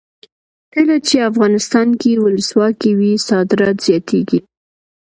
کله چې افغانستان کې ولسواکي وي صادرات زیاتیږي.